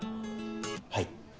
はい。